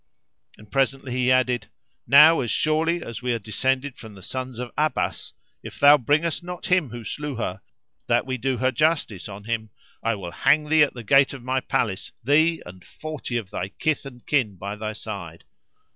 And presently he added, " Now, as surely as we are descended from the Sons of Abbas, [FN#355] if thou bring us not him who slew her, that we do her justice on him, I will hang thee at the gate of my palace, thee and forty of thy kith and kin by thy side."